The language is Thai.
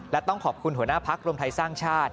และต้องขอบคุณหัวหน้าพักรวมไทยสร้างชาติ